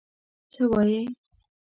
څه وايې؟